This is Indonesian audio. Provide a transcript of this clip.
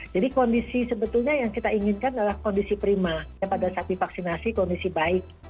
jadi kondisi sebetulnya yang kita inginkan adalah kondisi prima pada saat divaksinasi kondisi baik